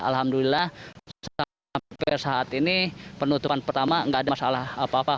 alhamdulillah sampai saat ini penutupan pertama nggak ada masalah apa apa